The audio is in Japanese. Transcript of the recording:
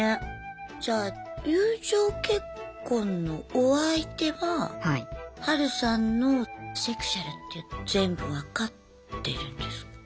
じゃあ友情結婚のお相手はハルさんのセクシュアルって全部分かってるんですか？